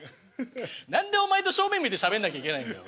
何でお前と正面向いてしゃべんなきゃいけないんだよ！